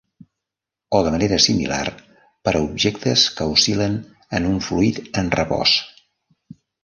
O de manera similar, per a objectes que oscil·len en un fluid en repòs.